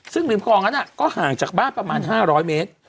ซึ่งริมครองนั้นอ่ะก็ห่างจากบ้านประมาณห้าร้อยเมตร